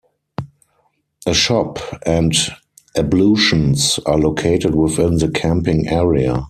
A shop, and ablutions are located within the Camping Area.